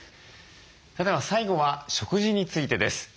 では最後は食事についてです。